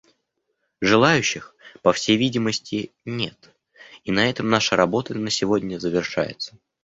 Желающих, по всей видимости, нет, и на этом наша работа на сегодня завершается.